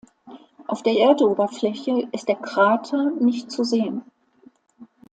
Auf der Erdoberfläche ist der Krater nicht zu sehen.